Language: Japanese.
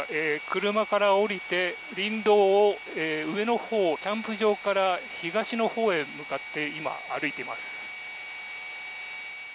車から降りて、林道を上のほうへキャンプ場から東のほうへ向かって今、歩いています。